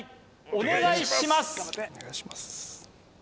お願いします